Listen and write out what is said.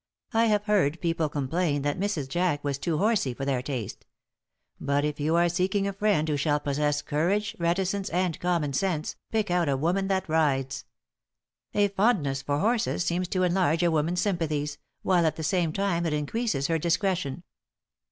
I have heard people complain that Mrs. Jack was "too horsey" for their taste. But if you are seeking a friend who shall possess courage, reticence and common sense, pick out a woman that rides. A fondness for horses seems to enlarge a woman's sympathies, while at the same time it increases her discretion.